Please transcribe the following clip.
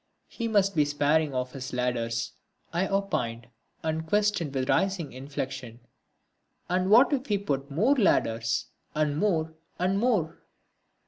He must be sparing of his ladders, I opined, and questioned with a rising inflection, "And what if we put more ladders, and more, and more?"